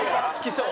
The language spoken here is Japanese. そう。